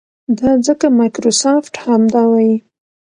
دا ځکه مایکروسافټ همدا وايي.